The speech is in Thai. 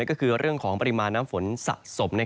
ก็คือเรื่องของปริมาณน้ำฝนสะสม